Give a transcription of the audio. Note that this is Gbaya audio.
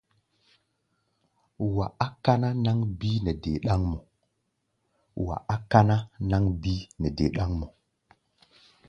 Wa á káná náŋ bíí nɛ dé ɗáŋmɔ.